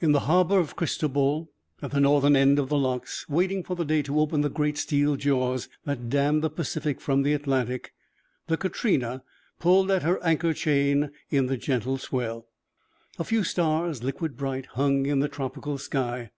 In the harbour of Cristobal, at the northern end of the locks, waiting for the day to open the great steel jaws that dammed the Pacific from the Atlantic, the Katrina pulled at her anchor chain in the gentle swell. A few stars, liquid bright, hung in the tropical sky.